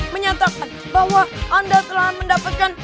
menyatakan bahwa anda telah mendapatkan